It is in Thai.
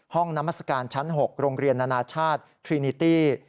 นามัศกาลชั้น๖โรงเรียนนานาชาติทรีนิตี้